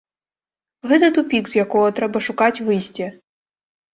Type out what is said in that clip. Гэта тупік, з якога трэба шукаць выйсце.